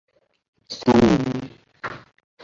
陶绍景于乾隆三年。